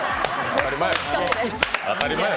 当たり前や。